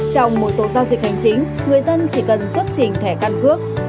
trong một số giao dịch hành chính người dân chỉ cần xuất trình thẻ căn cước